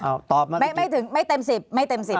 ภารกิจสรรค์ภารกิจสรรค์